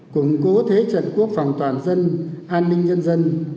củng cố thế trận quốc phòng toàn dân an ninh nhân dân